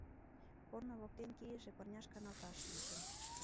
Корно воктен кийыше пырняш каналташ шинчыч.